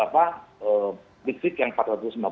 piksik yang empat ratus lima puluh volt